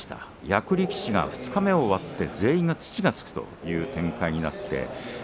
役力士が二日目を終わって全員に土がつくという展開になりました。